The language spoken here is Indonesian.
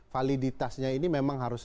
validitasnya ini memang harus